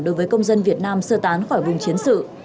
đối với công dân việt nam sơ tán khỏi vùng chiến sự